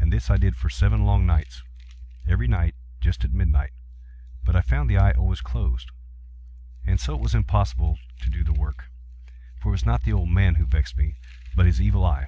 And this I did for seven long nights—every night just at midnight—but I found the eye always closed; and so it was impossible to do the work; for it was not the old man who vexed me, but his Evil Eye.